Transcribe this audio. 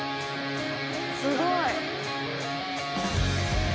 「すごい！」